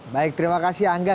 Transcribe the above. baik terima kasih angga